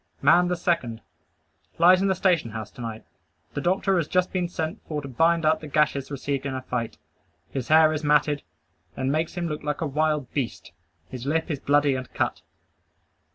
Man the second. Lies in the station house to night. The doctor has just been sent for to bind up the gashes received in a fight. His hair is matted, and makes him look like a wild beast. His lip is bloody and cut.